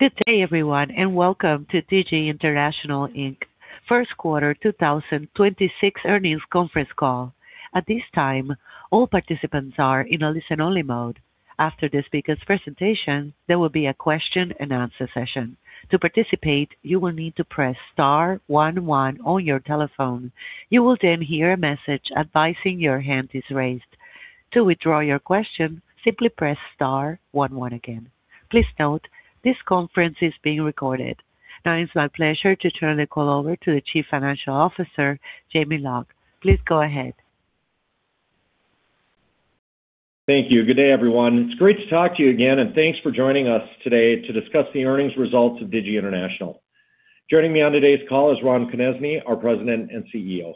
Good day everyone, and welcome to Digi International Inc. First Quarter 2026 Earnings Conference Call. At this time, all participants are in a listen-only mode. After the speaker's presentation, there will be a question-and-answer session. To participate, you will need to press *11 on your telephone. You will then hear a message advising your hand is raised. To withdraw your question, simply press *11 again. Please note, this conference is being recorded. Now it's my pleasure to turn the call over to the Chief Financial Officer, Jamie Loch. Please go ahead. Thank you. Good day everyone. It's great to talk to you again, and thanks for joining us today to discuss the earnings results of Digi International. Joining me on today's call is Ron Konezny, our President and CEO.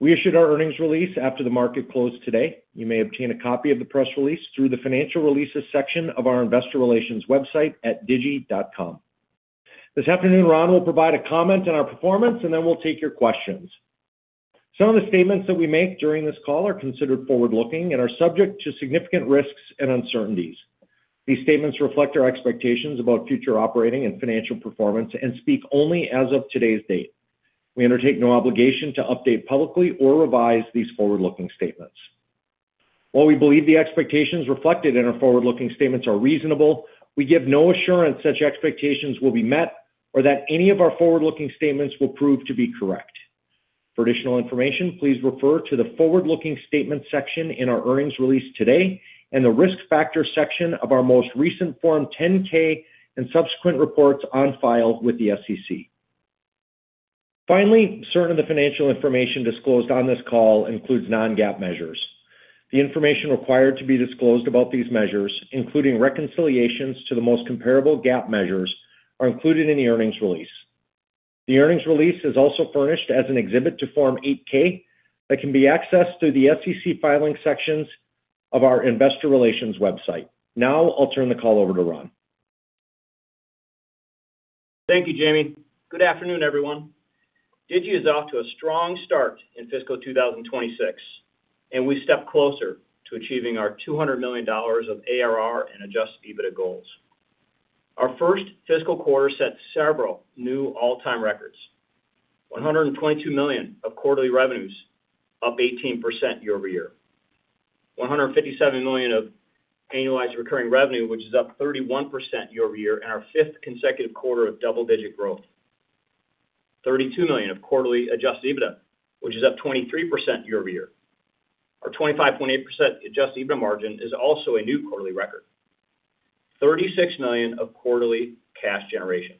We issued our earnings release after the market closed today. You may obtain a copy of the press release through the Financial Releases section of our investor relations website at digi.com. This afternoon, Ron will provide a comment on our performance, and then we'll take your questions. Some of the statements that we make during this call are considered forward-looking and are subject to significant risks and uncertainties. These statements reflect our expectations about future operating and financial performance and speak only as of today's date. We undertake no obligation to update publicly or revise these forward-looking statements. While we believe the expectations reflected in our forward-looking statements are reasonable, we give no assurance such expectations will be met or that any of our forward-looking statements will prove to be correct. For additional information, please refer to the Forward-Looking Statements section in our earnings release today and the Risk Factor section of our most recent Form 10-K and subsequent reports on file with the SEC. Finally, certain of the financial information disclosed on this call includes non-GAAP measures. The information required to be disclosed about these measures, including reconciliations to the most comparable GAAP measures, are included in the earnings release. The earnings release is also furnished as an exhibit to Form 8-K that can be accessed through the SEC filing sections of our investor relations website. Now I'll turn the call over to Ron. Thank you, Jamie. Good afternoon everyone. Digi is off to a strong start in fiscal 2026, and we stepped closer to achieving our $200 million of ARR and adjusted EBITDA goals. Our first fiscal quarter set several new all-time records: $122 million of quarterly revenues, up 18% year-over-year. $157 million of annualized recurring revenue, which is up 31% year-over-year in our fifth consecutive quarter of double-digit growth. $32 million of quarterly adjusted EBITDA, which is up 23% year-over-year. Our 25.8% adjusted EBITDA margin is also a new quarterly record. $36 million of quarterly cash generation.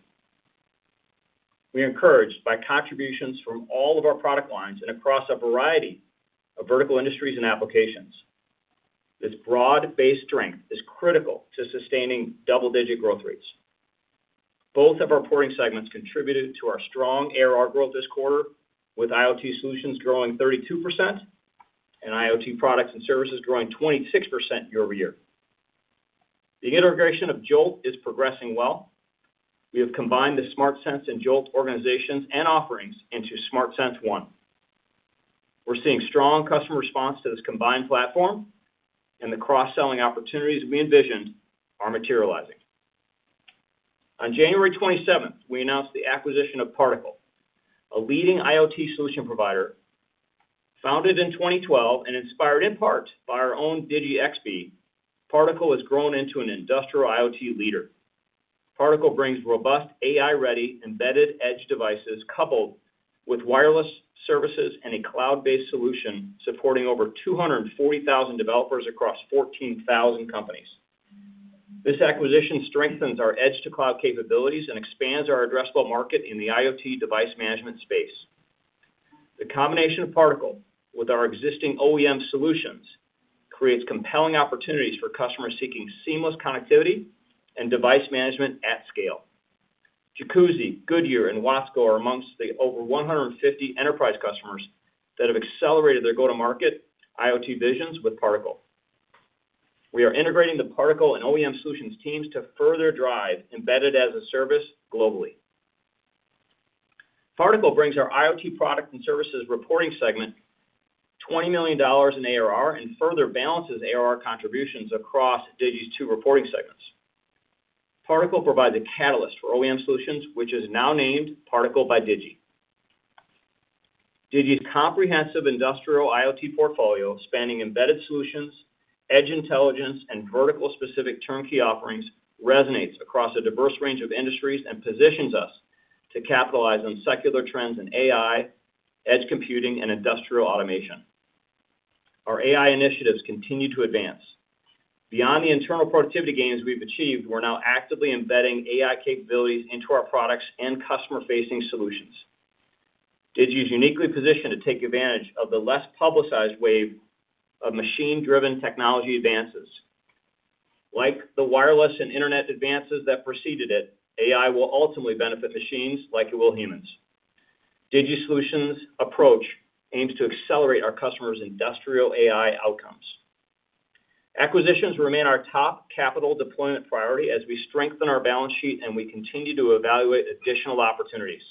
We are encouraged by contributions from all of our product lines and across a variety of vertical industries and applications. This broad-based strength is critical to sustaining double-digit growth rates. Both of our platform segments contributed to our strong ARR growth this quarter, with IoT solutions growing 32% and IoT products and services growing 26% year-over-year. The integration of Jolt is progressing well. We have combined the SmartSense and Jolt organizations and offerings into SmartSense One. We're seeing strong customer response to this combined platform, and the cross-selling opportunities we envisioned are materializing. On January 27th, we announced the acquisition of Particle, a leading IoT solution provider. Founded in 2012 and inspired in part by our own Digi XBee, Particle has grown into an industrial IoT leader. Particle brings robust, AI-ready, embedded edge devices coupled with wireless services and a cloud-based solution supporting over 240,000 developers across 14,000 companies. This acquisition strengthens our edge-to-cloud capabilities and expands our addressable market in the IoT device management space. The combination of Particle with our existing OEM solutions creates compelling opportunities for customers seeking seamless connectivity and device management at scale. Jacuzzi, Goodyear, and Watsco are among the over 150 enterprise customers that have accelerated their go-to-market IoT visions with Particle. We are integrating the Particle and OEM solutions teams to further drive embedded-as-a-service globally. Particle brings our IoT product and services reporting segment $20 million in ARR and further balances ARR contributions across Digi's two reporting segments. Particle provides a catalyst for OEM solutions, which is now named Particle by Digi. Digi's comprehensive industrial IoT portfolio, spanning embedded solutions, edge intelligence, and vertical-specific turnkey offerings, resonates across a diverse range of industries and positions us to capitalize on secular trends in AI, edge computing, and industrial automation. Our AI initiatives continue to advance. Beyond the internal productivity gains we've achieved, we're now actively embedding AI capabilities into our products and customer-facing solutions. Digi is uniquely positioned to take advantage of the less publicized wave of machine-driven technology advances. Like the wireless and internet advances that preceded it, AI will ultimately benefit machines like it will humans. Digi's solutions approach aims to accelerate our customers' industrial AI outcomes. Acquisitions remain our top capital deployment priority as we strengthen our balance sheet and we continue to evaluate additional opportunities.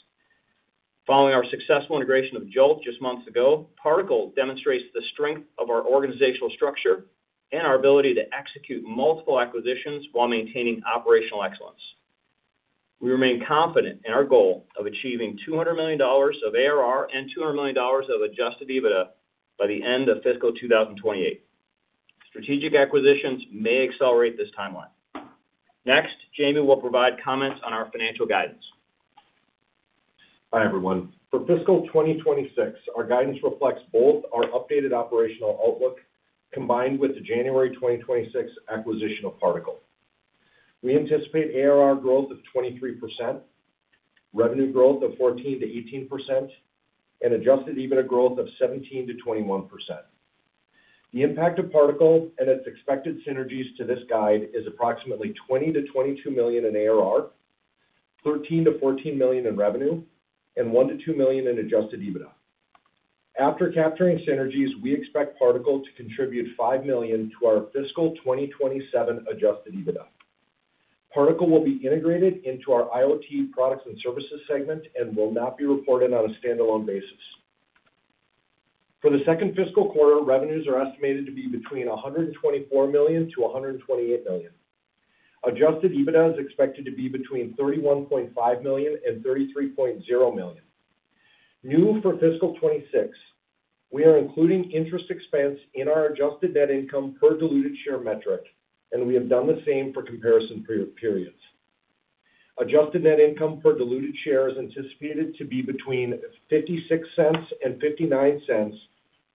Following our successful integration of Jolt just months ago, Particle demonstrates the strength of our organizational structure and our ability to execute multiple acquisitions while maintaining operational excellence. We remain confident in our goal of achieving $200 million of ARR and $200 million of adjusted EBITDA by the end of fiscal 2028. Strategic acquisitions may accelerate this timeline. Next, Jamie will provide comments on our financial guidance. Hi everyone. For fiscal 2026, our guidance reflects both our updated operational outlook combined with the January 2026 acquisition of Particle. We anticipate ARR growth of 23%, revenue growth of 14%-18%, and adjusted EBITDA growth of 17%-21%. The impact of Particle and its expected synergies to this guide is approximately $20 million-$22 million in ARR, $13 million-$14 million in revenue, and $1 million-$2 million in adjusted EBITDA. After capturing synergies, we expect Particle to contribute $5 million to our fiscal 2027 adjusted EBITDA. Particle will be integrated into our IoT products and services segment and will not be reported on a standalone basis. For the second fiscal quarter, revenues are estimated to be between $124 million-$128 million. Adjusted EBITDA is expected to be between $31.5 million and $33.0 million. New for fiscal 2026, we are including interest expense in our adjusted net income per diluted share metric, and we have done the same for comparison periods. Adjusted net income per diluted share is anticipated to be between $0.56-$0.59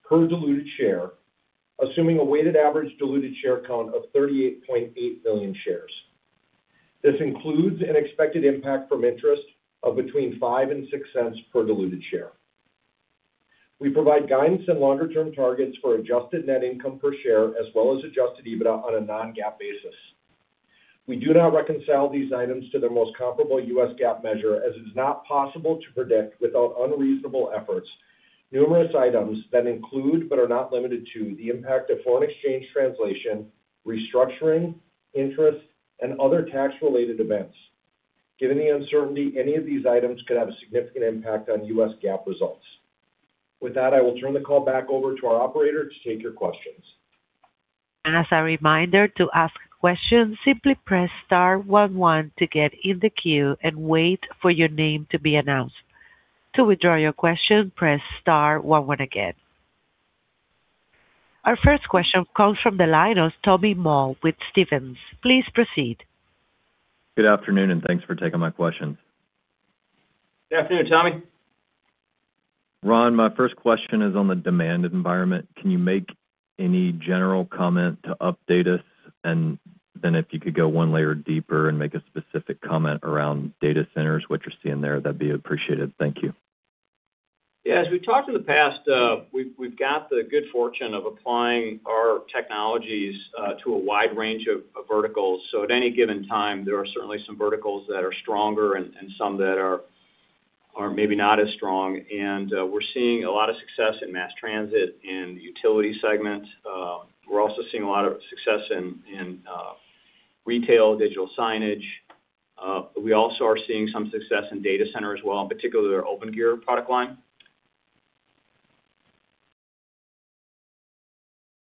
per diluted share, assuming a weighted average diluted share count of 38.8 million shares. This includes an expected impact from interest of between $0.05-$0.06 per diluted share. We provide guidance and longer-term targets for adjusted net income per share as well as adjusted EBITDA on a non-GAAP basis. We do not reconcile these items to their most comparable U.S. GAAP measure, as it is not possible to predict without unreasonable efforts numerous items that include but are not limited to the impact of foreign exchange translation, restructuring, interest, and other tax-related events. Given the uncertainty, any of these items could have a significant impact on U.S. GAAP results. With that, I will turn the call back over to our operator to take your questions. As a reminder, to ask questions, simply press *11 to get in the queue and wait for your name to be announced. To withdraw your question, press *11 again. Our first question comes from the line of Tommy Moll with Stephens. Please proceed. Good afternoon, and thanks for taking my questions. Good afternoon, Tommy. Ron, my first question is on the demand environment. Can you make any general comment to update us, and then if you could go one layer deeper and make a specific comment around data centers, what you're seeing there, that'd be appreciated. Thank you. Yeah, as we've talked in the past, we've got the good fortune of applying our technologies to a wide range of verticals. At any given time, there are certainly some verticals that are stronger and some that are maybe not as strong. We're seeing a lot of success in mass transit and utility segments. We're also seeing a lot of success in retail digital signage. We also are seeing some success in data center as well, in particular their Opengear product line.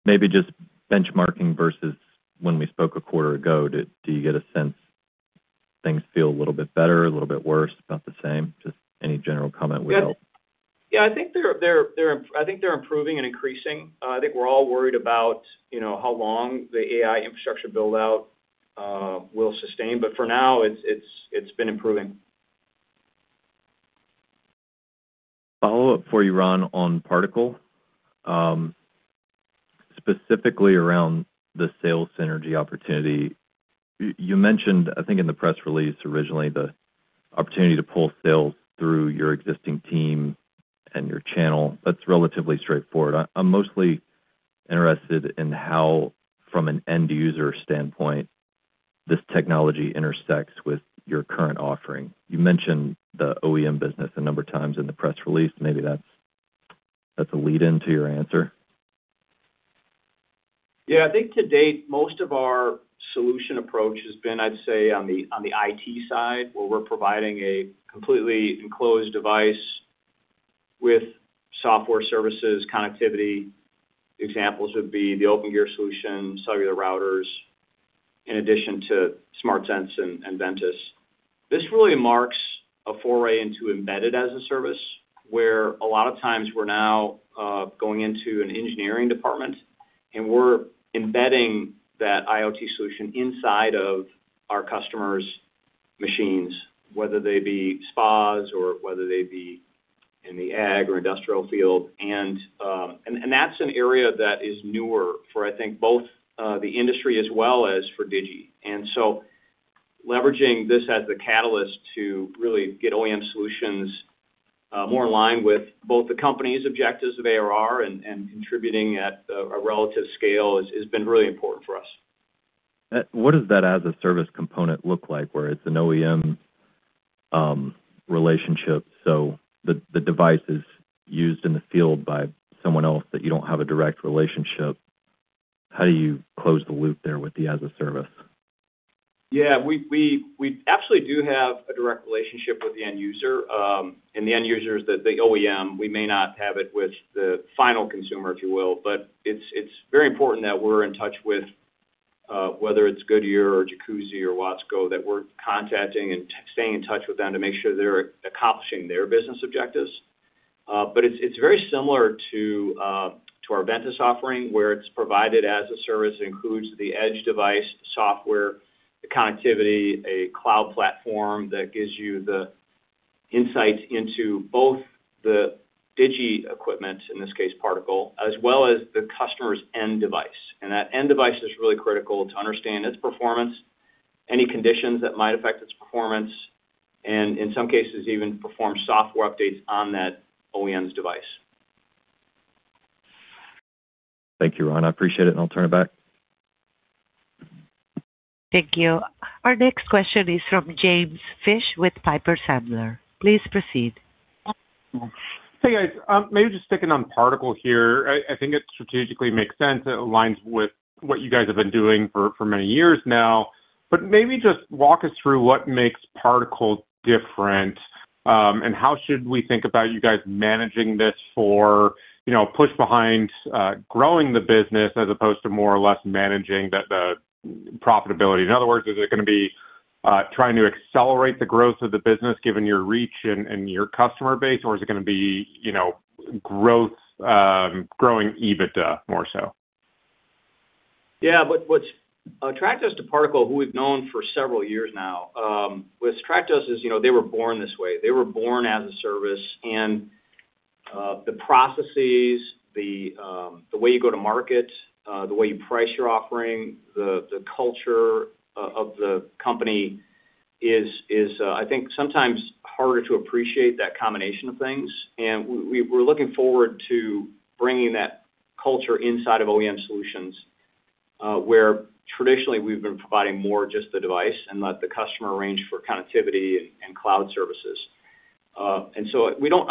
Maybe just benchmarking versus when we spoke a quarter ago, do you get a sense things feel a little bit better, a little bit worse, about the same? Just any general comment would help. Yeah, I think they're improving and increasing. I think we're all worried about how long the AI infrastructure buildout will sustain, but for now, it's been improving. Follow-up for you, Ron, on Particle, specifically around the sales synergy opportunity. You mentioned, I think, in the press release originally, the opportunity to pull sales through your existing team and your channel. That's relatively straightforward. I'm mostly interested in how, from an end-user standpoint, this technology intersects with your current offering. You mentioned the OEM business a number of times in the press release. Maybe that's a lead-in to your answer. Yeah, I think to date, most of our solution approach has been, I'd say, on the IT side, where we're providing a completely enclosed device with software services connectivity. Examples would be the OpenGear solution, cellular routers, in addition to Smartsense and Ventus. This really marks a foray into embedded-as-a-service, where a lot of times we're now going into an engineering department, and we're embedding that IoT solution inside of our customers' machines, whether they be spas or whether they be in the ag or industrial field. That's an area that is newer for, I think, both the industry as well as for Digi. So leveraging this as the catalyst to really get OEM solutions more in line with both the company's objectives of ARR and contributing at a relative scale has been really important for us. What does that as-a-service component look like, where it's an OEM relationship? So the device is used in the field by someone else that you don't have a direct relationship. How do you close the loop there with the as-a-service? Yeah, we absolutely do have a direct relationship with the end user. In the end users, the OEM, we may not have it with the final consumer, if you will. But it's very important that we're in touch with, whether it's Goodyear or Jacuzzi or Watsco, that we're contacting and staying in touch with them to make sure they're accomplishing their business objectives. But it's very similar to our Ventus offering, where it's provided as a service. It includes the edge device software, the connectivity, a cloud platform that gives you the insights into both the Digi equipment, in this case, Particle, as well as the customer's end device. And that end device is really critical to understand its performance, any conditions that might affect its performance, and in some cases, even perform software updates on that OEM's device. Thank you, Ron. I appreciate it, and I'll turn it back. Thank you. Our next question is from James Fish with Piper Sandler. Please proceed. Hey, guys. Maybe just sticking on Particle here. I think it strategically makes sense. It aligns with what you guys have been doing for many years now. But maybe just walk us through what makes Particle different, and how should we think about you guys managing this for push behind growing the business as opposed to more or less managing the profitability? In other words, is it going to be trying to accelerate the growth of the business given your reach and your customer base, or is it going to be growing EBITDA more so? Yeah, what's attracted us to Particle, who we've known for several years now, with Stratus, is they were born this way. They were born as a service. And the processes, the way you go to market, the way you price your offering, the culture of the company is, I think, sometimes harder to appreciate that combination of things. And we're looking forward to bringing that culture inside of OEM solutions, where traditionally we've been providing more just the device and let the customer arrange for connectivity and cloud services. And so we don't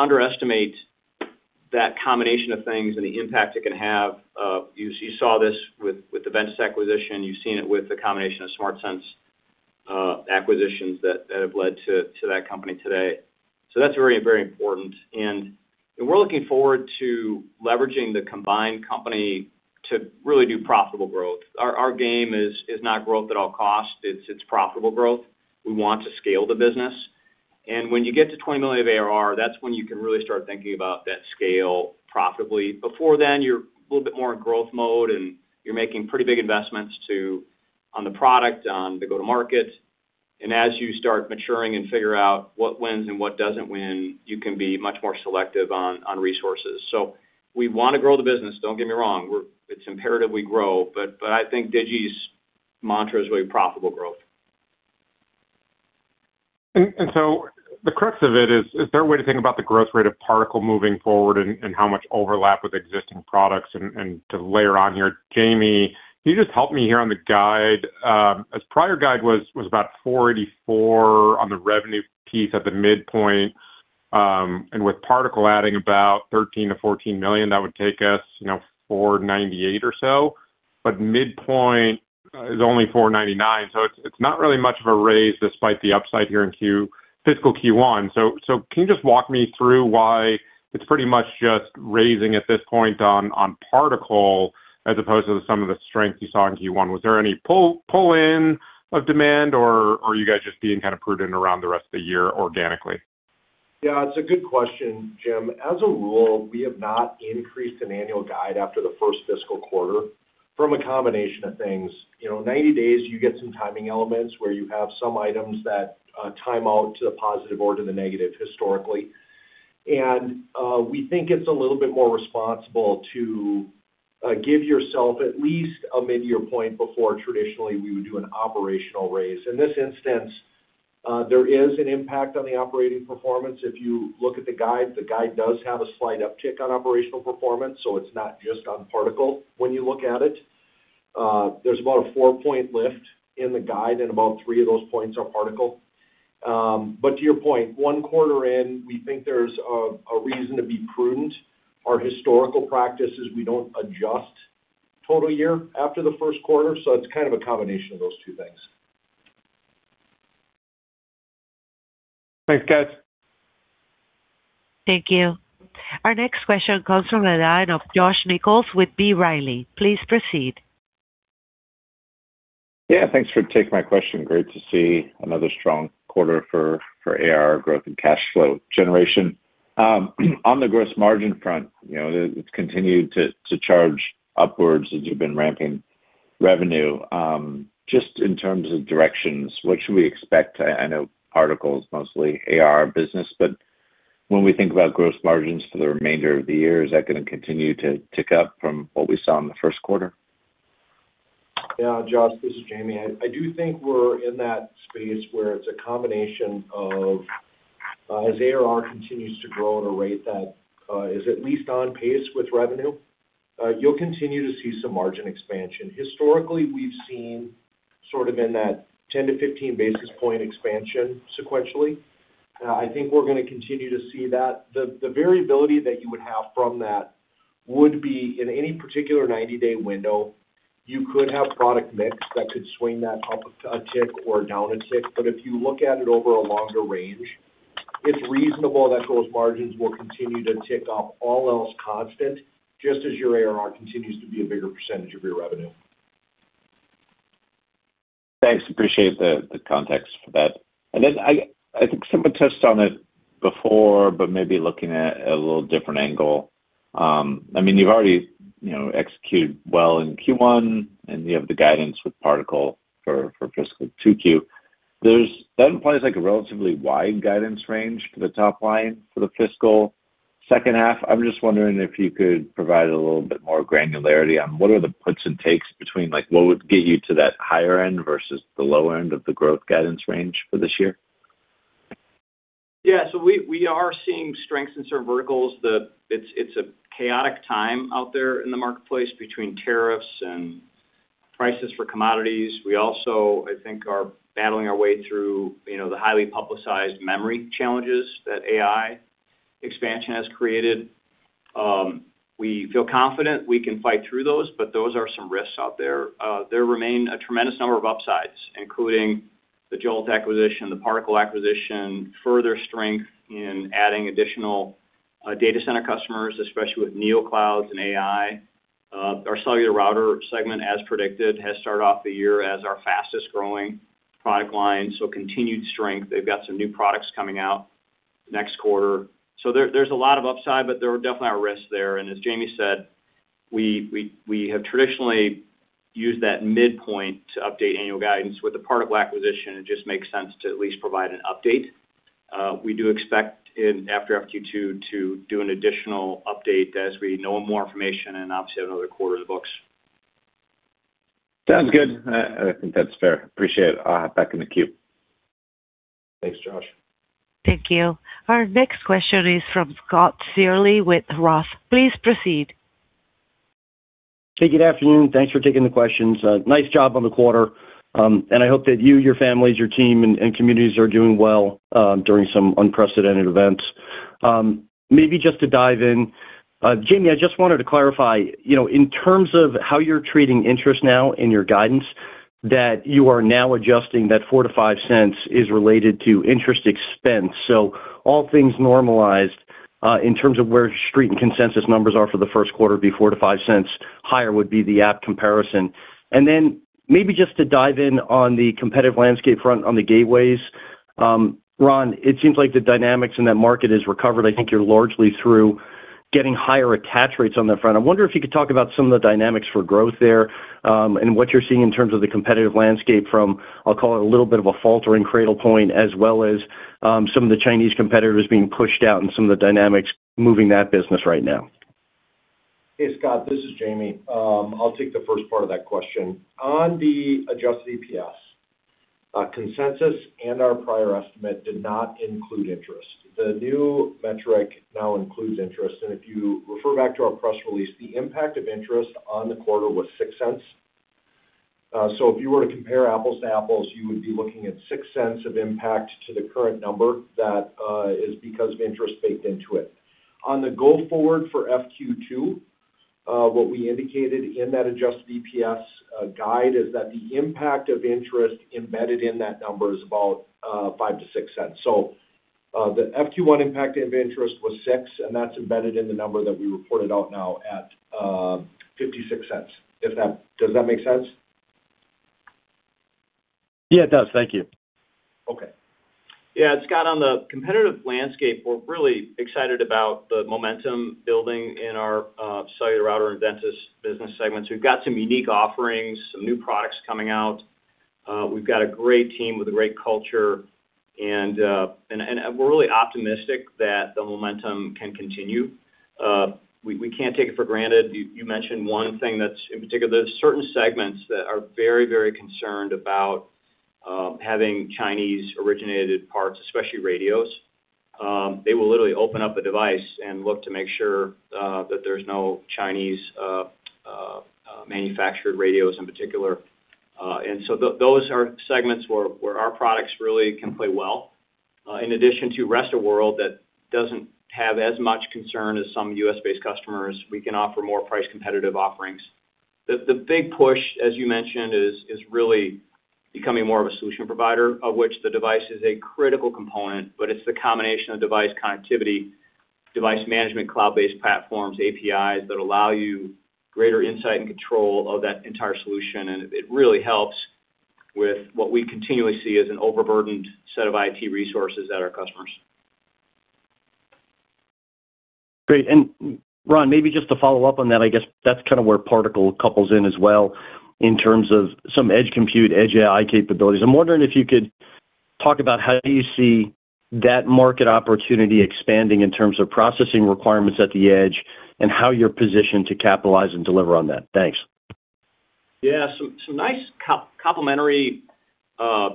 underestimate that combination of things and the impact it can have. You saw this with the Ventus acquisition. You've seen it with the combination of Smartsense acquisitions that have led to that company today. So that's very, very important. And we're looking forward to leveraging the combined company to really do profitable growth. Our game is not growth at all costs. It's profitable growth. We want to scale the business. When you get to $20 million of ARR, that's when you can really start thinking about that scale profitably. Before then, you're a little bit more in growth mode, and you're making pretty big investments on the product, on the go-to-market. As you start maturing and figure out what wins and what doesn't win, you can be much more selective on resources. We want to grow the business. Don't get me wrong. It's imperative we grow. But I think Digi's mantra is really profitable growth. And so the crux of it is, is there a way to think about the growth rate of Particle moving forward and how much overlap with existing products? And to layer on here, Jamie, can you just help me here on the guide? It's prior guide was about $484 million on the revenue piece at the midpoint. And with Particle adding about $13 million-$14 million, that would take us 498 or so. But midpoint is only $499 million. So it's not really much of a raise despite the upside here in fiscal Q1. So can you just walk me through why it's pretty much just raising at this point on Particle as opposed to some of the strength you saw in Q1? Was there any pull-in of demand, or are you guys just being kind of prudent around the rest of the year organically? Yeah, it's a good question, Jim. As a rule, we have not increased an annual guide after the first fiscal quarter from a combination of things. 90 days, you get some timing elements where you have some items that time out to the positive or to the negative historically. And we think it's a little bit more responsible to give yourself at least a mid-year point before traditionally we would do an operational raise. In this instance, there is an impact on the operating performance. If you look at the guide, the guide does have a slight uptick on operational performance, so it's not just on Particle when you look at it. There's about a 4-point lift in the guide, and about 3 of those points are Particle. But to your point, 1 quarter in, we think there's a reason to be prudent. Our historical practice is we don't adjust total year after the first quarter. So it's kind of a combination of those two things. Thanks, guys. Thank you. Our next question comes from the line of Josh Nichols with B. Riley. Please proceed. Yeah, thanks for taking my question. Great to see another strong quarter for AR growth and cash flow generation. On the gross margin front, it's continued to charge upwards as you've been ramping revenue. Just in terms of directionally, what should we expect? I know Particle is mostly AR business, but when we think about gross margins for the remainder of the year, is that going to continue to tick up from what we saw in the first quarter? Yeah, Josh, this is Jamie. I do think we're in that space where it's a combination of, as ARR continues to grow at a rate that is at least on pace with revenue, you'll continue to see some margin expansion. Historically, we've seen sort of in that 10-15 basis point expansion sequentially. I think we're going to continue to see that. The variability that you would have from that would be, in any particular 90-day window, you could have product mix that could swing that up a tick or down a tick. But if you look at it over a longer range, it's reasonable that gross margins will continue to tick up, all else constant, just as your ARR continues to be a bigger percentage of your revenue. Thanks. Appreciate the context for that. And then I think someone touched on it before, but maybe looking at a little different angle. I mean, you've already executed well in Q1, and you have the guidance with Particle for fiscal 2Q. That implies a relatively wide guidance range for the top line for the fiscal second half. I'm just wondering if you could provide a little bit more granularity on what are the puts and takes between what would get you to that higher end versus the lower end of the growth guidance range for this year? Yeah, so we are seeing strengths in certain verticals. It's a chaotic time out there in the marketplace between tariffs and prices for commodities. We also, I think, are battling our way through the highly publicized memory challenges that AI expansion has created. We feel confident we can fight through those, but those are some risks out there. There remain a tremendous number of upsides, including the Jolt acquisition, the Particle acquisition, further strength in adding additional data center customers, especially with NeoCloud and AI. Our cellular router segment, as predicted, has started off the year as our fastest growing product line. So continued strength. They've got some new products coming out next quarter. So there's a lot of upside, but there are definitely risks there. And as Jamie said, we have traditionally used that midpoint to update annual guidance. With the Particle acquisition, it just makes sense to at least provide an update. We do expect after FQ2 to do an additional update as we know more information and obviously have another quarter in the books. Sounds good. I think that's fair. Appreciate it. I'll hop back in the queue. Thanks, Josh. Thank you. Our next question is from Scott Searle with Roth. Please proceed. Hey, good afternoon. Thanks for taking the questions. Nice job on the quarter. I hope that you, your families, your team, and communities are doing well during some unprecedented events. Maybe just to dive in, Jamie, I just wanted to clarify, in terms of how you're treating interest now in your guidance, that you are now adjusting that $0.04-$0.05 is related to interest expense. So all things normalized in terms of where street and consensus numbers are for the first quarter would be $0.04-$0.05. Higher would be the apple comparison. Then maybe just to dive in on the competitive landscape front on the gateways, Ron, it seems like the dynamics in that market has recovered. I think you're largely through getting higher attach rates on that front. I wonder if you could talk about some of the dynamics for growth there and what you're seeing in terms of the competitive landscape from, I'll call it, a little bit of a faltering Cradlepoint, as well as some of the Chinese competitors being pushed out and some of the dynamics moving that business right now? Hey, Scott. This is Jamie. I'll take the first part of that question. On the adjusted EPS, consensus and our prior estimate did not include interest. The new metric now includes interest. And if you refer back to our press release, the impact of interest on the quarter was $0.06. So if you were to compare apples to apples, you would be looking at $0.06 of impact to the current number that is because of interest baked into it. On the go forward for FQ2, what we indicated in that adjusted EPS guide is that the impact of interest embedded in that number is about $0.05-$0.06. So the FQ1 impact of interest was $0.06, and that's embedded in the number that we reported out now at $0.56. Does that make sense? Yeah, it does. Thank you. Okay. Yeah, Scott, on the competitive landscape, we're really excited about the momentum building in our cellular router and Ventus business segments. We've got some unique offerings, some new products coming out. We've got a great team with a great culture. We're really optimistic that the momentum can continue. We can't take it for granted. You mentioned one thing that's in particular. There's certain segments that are very, very concerned about having Chinese-originated parts, especially radios. They will literally open up a device and look to make sure that there's no Chinese-manufactured radios in particular. So those are segments where our products really can play well. In addition to the rest of the world that doesn't have as much concern as some U.S.-based customers, we can offer more price-competitive offerings. The big push, as you mentioned, is really becoming more of a solution provider, of which the device is a critical component. But it's the combination of device connectivity, device management, cloud-based platforms, APIs that allow you greater insight and control of that entire solution. And it really helps with what we continually see as an overburdened set of IT resources at our customers. Great. And Ron, maybe just to follow up on that, I guess that's kind of where Particle couples in as well in terms of some edge compute, edge AI capabilities. I'm wondering if you could talk about how do you see that market opportunity expanding in terms of processing requirements at the edge and how you're positioned to capitalize and deliver on that? Thanks. Yeah, some nice complementary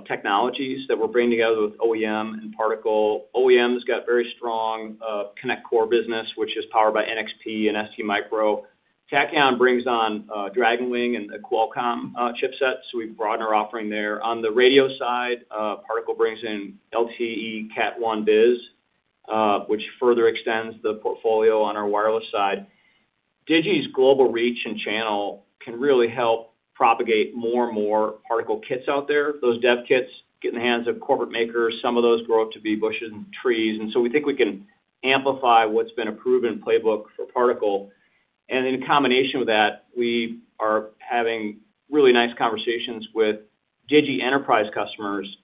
technologies that we're bringing together with OEM and Particle. OEM's got very strong ConnectCore business, which is powered by NXP and STMicro. Tachyon brings on DragonBoard and a Qualcomm chipset, so we've broadened our offering there. On the radio side, Particle brings in LTE Cat 1bis, which further extends the portfolio on our wireless side. Digi's global reach and channel can really help propagate more and more Particle kits out there. Those dev kits get in the hands of corporate makers. Some of those grow up to be bushes and trees. And so we think we can amplify what's been a proven playbook for Particle. And in combination with that, we are having really nice conversations with Digi enterprise customers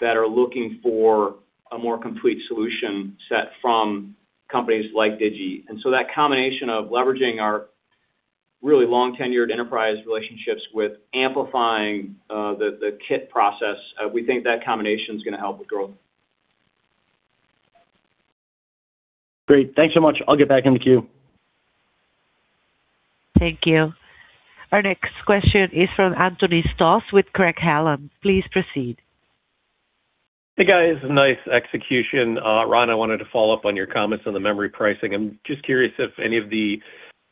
that are looking for a more complete solution set from companies like Digi. And so that combination of leveraging our really long-tenured enterprise relationships with amplifying the kit process, we think that combination is going to help with growth. Great. Thanks so much. I'll get back in the queue. Thank you. Our next question is from Anthony Stoss with Craig-Hallum. Please proceed. Hey, guys. Nice execution. Ron, I wanted to follow up on your comments on the memory pricing. I'm just curious if any of the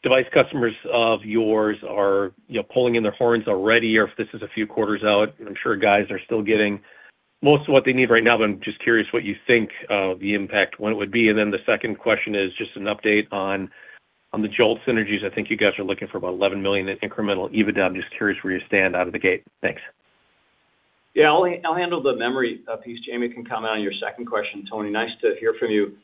device customers of yours are pulling in their horns already or if this is a few quarters out. I'm sure guys are still getting most of what they need right now, but I'm just curious what you think the impact when it would be. And then the second question is just an update on the Jolt synergies. I think you guys are looking for about $11 million in incremental EBITDA. I'm just curious where you stand out of the gate. Thanks. Yeah, I'll handle the memory piece. Jamie can comment on your second question, Tony. Nice to hear from you.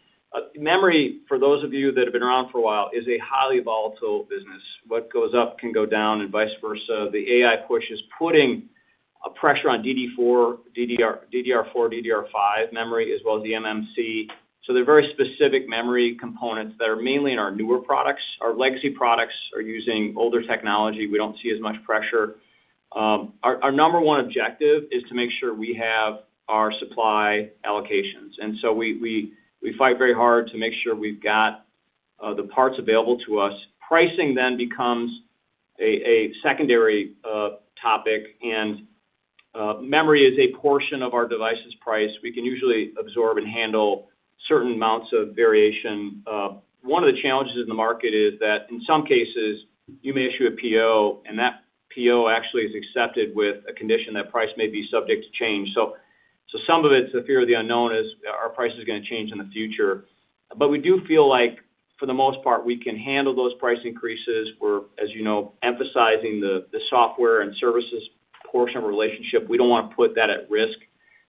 Memory, for those of you that have been around for a while, is a highly volatile business. What goes up can go down and vice versa. The AI push is putting a pressure on DDR4, DDR5 memory, as well as the eMMC. So they're very specific memory components that are mainly in our newer products. Our legacy products are using older technology. We don't see as much pressure. Our number one objective is to make sure we have our supply allocations. And so we fight very hard to make sure we've got the parts available to us. Pricing then becomes a secondary topic. And memory is a portion of our devices' price. We can usually absorb and handle certain amounts of variation. One of the challenges in the market is that in some cases, you may issue a PO, and that PO actually is accepted with a condition that price may be subject to change. So some of it's the fear of the unknown: is our price going to change in the future. But we do feel like, for the most part, we can handle those price increases. We're, as you know, emphasizing the software and services portion of our relationship. We don't want to put that at risk,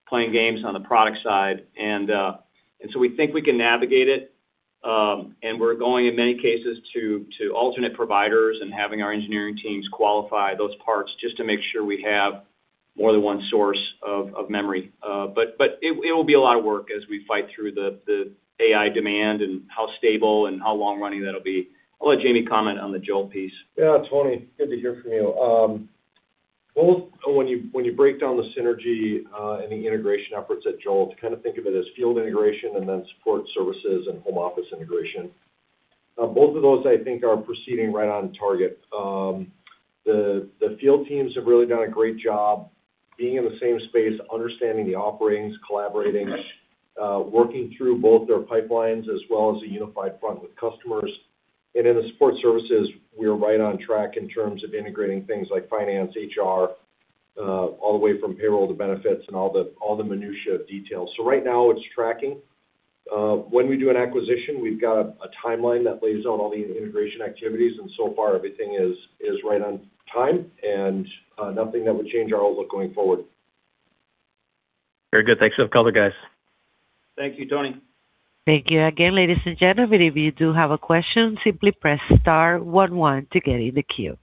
playing games on the product side. And so we think we can navigate it. And we're going, in many cases, to alternate providers and having our engineering teams qualify those parts just to make sure we have more than one source of memory. It will be a lot of work as we fight through the AI demand and how stable and how long-running that'll be. I'll let Jamie comment on the Jolt piece. Yeah, Tony. Good to hear from you. Both when you break down the synergy and the integration efforts at Jolt, kind of think of it as field integration and then support services and home office integration. Both of those, I think, are proceeding right on target. The field teams have really done a great job being in the same space, understanding the offerings, collaborating, working through both their pipelines as well as a unified front with customers. In the support services, we are right on track in terms of integrating things like finance, HR, all the way from payroll to benefits and all the minutiae of detail. Right now, it's tracking. When we do an acquisition, we've got a timeline that lays out all the integration activities. So far, everything is right on time and nothing that would change our outlook going forward. Very good. Thanks to the other guys. Thank you, Tony. Thank you again. Ladies and gentlemen, if you do have a question, simply press star 11 to get in the queue.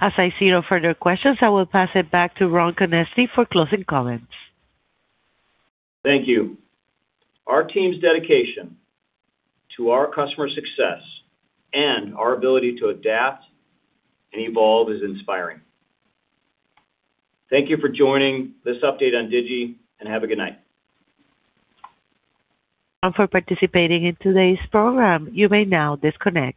As I see no further questions, I will pass it back to Ron Konezny for closing comments. Thank you. Our team's dedication to our customer success and our ability to adapt and evolve is inspiring. Thank you for joining this update on Digi, and have a good night. For participating in today's program, you may now disconnect.